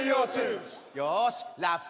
よしラッパ